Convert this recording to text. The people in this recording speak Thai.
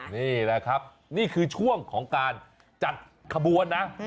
นี่แหละครับนี่คือช่วงของการจัดขบวนนะ